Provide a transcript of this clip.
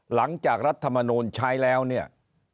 หลังจากรัฐมนูลใช้แล้วเนี่ย